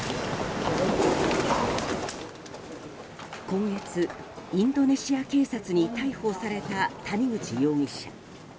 今月、インドネシア警察に逮捕された谷口容疑者。